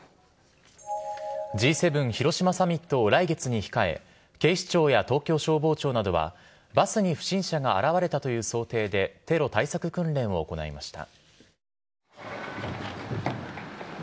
Ｇ７広島サミットを来月に控え警視庁や東京消防庁などはバスに不審者が現れたという想定でテロ対策訓練を行いました。